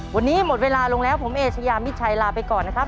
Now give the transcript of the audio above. วันนี้หมดเวลาลงแล้วผมเอเชยามิดชัยลาไปก่อนนะครับ